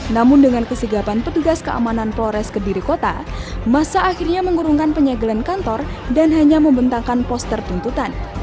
namun dengan kesigapan petugas keamanan flores kediri kota masa akhirnya mengurungkan penyegelan kantor dan hanya membentangkan poster tuntutan